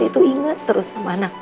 tante itu inget terus sama anak tante